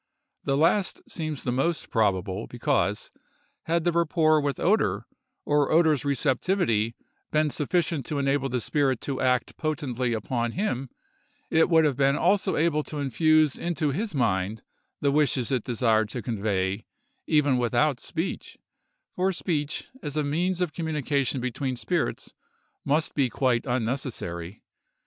The last seems the most probable, because, had the rapport with Oeder, or Oeder's receptivity, been sufficient to enable the spirit to act potently upon him, it would have been also able to infuse into his mind the wishes it desired to convey, even without speech, for speech, as a means of communication between spirits, must be quite unnecessary.